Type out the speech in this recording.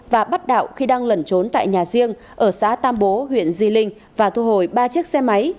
và bắt đạo khi đang lẩn trốn tại nhà riêng ở xã tam bố huyện di linh và thu hồi ba chiếc xe máy